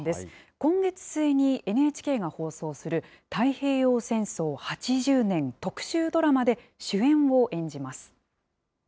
今月末にＮＨＫが放送する、太平洋戦争８０年特集ドラマで主演を演じます。